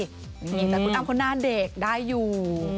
แต่คุณอ้ำคนน่าเด็กได้อยู่